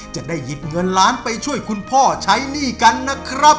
จะได้หยิบเงินล้านไปช่วยคุณพ่อใช้หนี้กันนะครับ